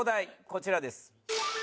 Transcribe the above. こちらです！